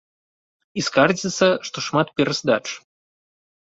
І скардзіцца, што шмат пераздач.